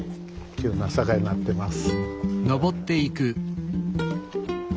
急な坂になってます。